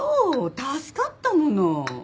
助かったもの。